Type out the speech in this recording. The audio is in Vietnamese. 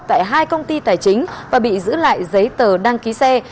tại hai công ty tài chính và bị giữ lại giấy tờ đăng ký xe